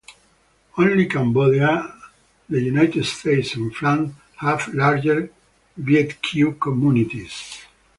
Only Cambodia, the United States, and France have larger Viet Kieu communities.